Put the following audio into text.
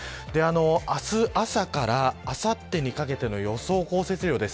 明日朝から、あさってにかけての予想降雪量です。